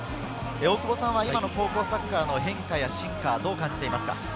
大久保さんは今の高校サッカーの変化や進化をどう感じていますか？